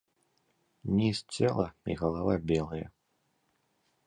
Ніз цела і галава белыя.